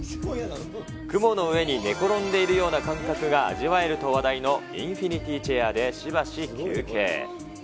雲の上に寝転んでいるような感覚が味わえると話題のインフィニティチェアでしばし休憩。